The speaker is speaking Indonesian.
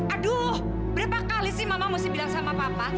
aduh berapa kali sih mama mesti bilang sama papa